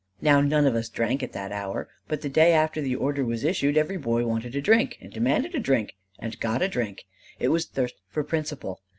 Now none of us drank at that hour; but the day after the order was issued, every boy wanted a drink, and demanded a drink, and got a drink. It was thirst for principle.